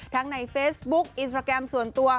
ในเฟซบุ๊คอินสตราแกรมส่วนตัว